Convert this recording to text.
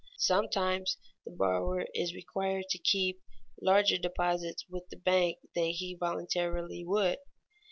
Sometimes the borrower is required to keep larger deposits with the bank than he voluntarily would.